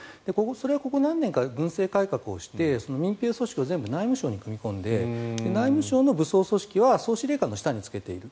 それはここ何年かで軍制改革をして民兵組織を内務省に組み込んで内務省の武装組織は総司令官の下につけている。